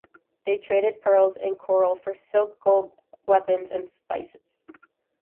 They traded pearls and coral for silk, gold, weapons and spices.